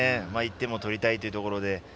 １点を取りたいというところで。